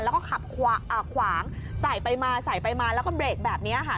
แล้วก็ขับขวางใส่ไปมาใส่ไปมาแล้วก็เบรกแบบนี้ค่ะ